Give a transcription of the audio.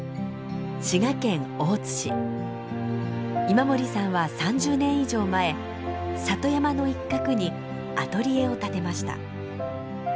今森さんは３０年以上前里山の一角にアトリエを建てました。